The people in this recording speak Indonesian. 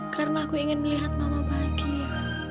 karena aku ingin melihat mama bahagia